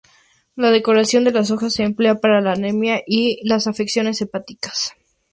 La decocción de las hojas se emplea para la anemia y las afecciones hepáticas.